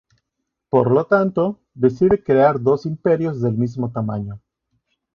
Por lo tanto, decide crear dos imperios del mismo tamaño.